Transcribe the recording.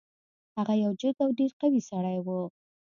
هغه یو جګ او ډیر قوي سړی و.